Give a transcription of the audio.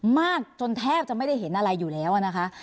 มากจนแทบจะไม่ได้เห็นอะไรอยู่แล้วนะคะ